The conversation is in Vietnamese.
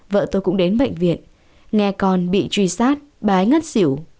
vợ tôi cũng đến bệnh viện nghe con bị truy sát bé ngất xỉu